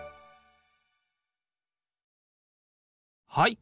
はい。